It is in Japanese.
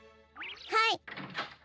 はい。